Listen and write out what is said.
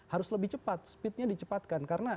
harus lebih cepat speednya dicepatkan karena